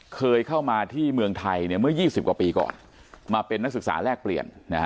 เคยเข้ามาที่เมืองไทยเมื่อ๒๐กว่าปีก่อนมาเป็นนักศึกษาแลกเปลี่ยน